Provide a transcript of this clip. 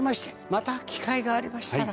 また機会がありましたら。